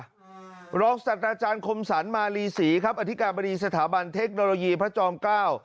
รองศัตว์อาจารย์คมสรรมาลีศรีครับอธิการบดีสถาบันเทคโนโลยีพระจอมเก้า